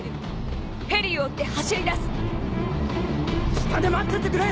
下で待っててくれ！